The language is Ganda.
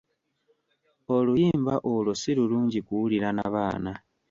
Oluyimba olwo si lulungi kuwulira na baana.